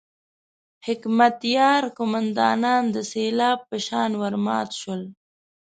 حکمتیار قوماندانان د سېلاب په شان ورمات شول.